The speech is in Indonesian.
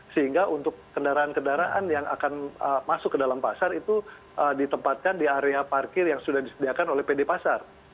sehingga untuk kendaraan kendaraan yang akan masuk ke dalam pasar itu ditempatkan di area parkir yang sudah disediakan oleh pd pasar